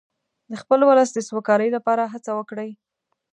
د خپل ولس د سوکالۍ لپاره هڅه وکړئ.